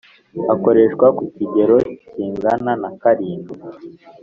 Akoreshwa ku kigero kingana na karindwi